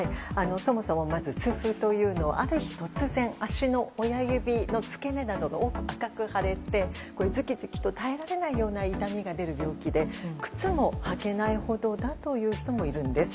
そもそも、まず痛風というのはある日突然足の親指のつけ根などが赤く腫れて、ズキズキと耐えられないような痛みが出る病気で、靴も履けないほどだという人もいるんです。